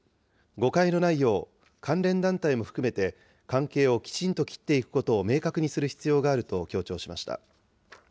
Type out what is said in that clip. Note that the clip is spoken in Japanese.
誤解のないよう、関連団体も含めて関係をきちんと切っていくことを明確にする必要があると強調しました。